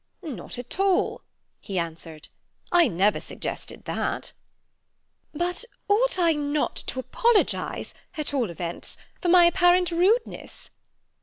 "Not at all," he answered; "I never suggested that." "But ought I not to apologize, at all events, for my apparent rudeness?"